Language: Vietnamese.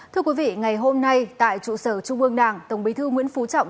thưa quý vị ngày hôm nay tại trụ sở trung ương đảng tổng bí thư nguyễn phú trọng